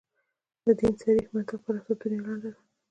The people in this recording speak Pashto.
د دین صریح منطق پر اساس دنیا لنډه ده.